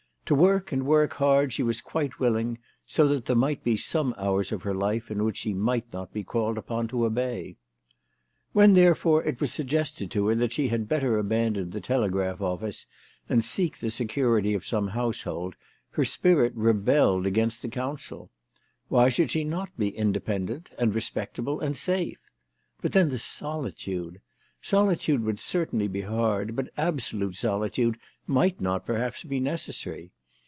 To work and work hard she was quite willing, so that there might be some hours of her life in which she might not be called upon to obey. When, therefore, it was suggested to her that she had better abandon the Telegraph Office and seek the security of some household, her spirit rebelled against the counsel. Why should she not be independent, and respectable, and safe ? But then the solitude ! Soli tude would certainly be hard, but absolute solitude might not perhaps be necessary.